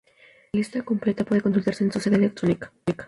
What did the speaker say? La lista completa puede consultarse en su sede electrónica.